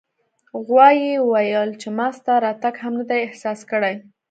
غوایي وویل چې ما ستا راتګ هم نه دی احساس کړی.